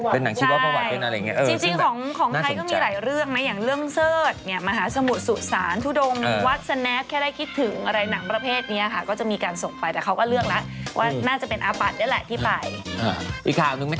เป็นหนังชีวประวัติเป็นอะไรอย่างนี้